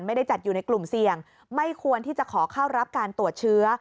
ไม่ได้จัดอยู่ในกลุ่มเสี่ยงไม่ควรที่จะขอเข้ารับการตรวจเชื้อ